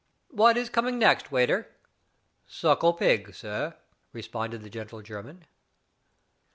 "What is coming next, waiter?" "Suckie pig, sir," responded the gentle German.